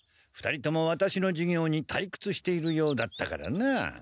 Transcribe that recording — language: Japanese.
２人ともワタシの授業にたいくつしているようだったからなあ。